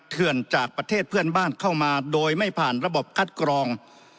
เถื่อนจากประเทศเพื่อนบ้านเข้ามาโดยไม่ผ่านระบบคัดกรอง